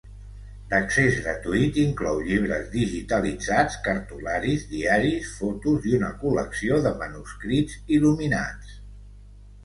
D'accés gratuït, inclou llibres digitalitzats, cartularis, diaris, fotos i una col·lecció de manuscrits il·luminats.